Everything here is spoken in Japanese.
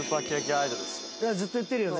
ずっと言ってるよね。